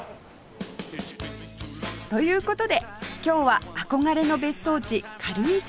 という事で今日は憧れの別荘地軽井沢へ